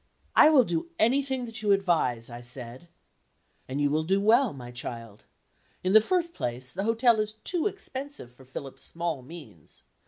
"I will do anything that you advise," I said. "And you will do well, my child. In the first place, the hotel is too expensive for Philip's small means.